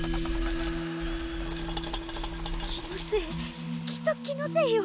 気のせいきっと気のせいよ。